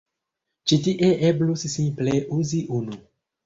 Ĉi tie eblus simple uzi unu.